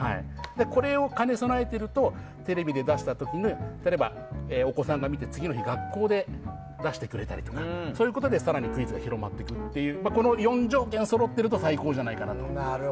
これを兼ね備えているとテレビで出した時例えばお子さんが見て次の日学校で出してくれたりとかそういうことで更にクイズが広がっていくというこの４条件そろってると最高じゃないかなと。